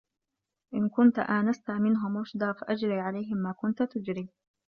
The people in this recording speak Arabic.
إنْ كُنْت آنَسْتَ مِنْهُمْ رُشْدًا فَأَجْرِ عَلَيْهِمْ مَا كُنْتَ تُجْرِي